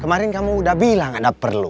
kemarin kamu udah bilang anda perlu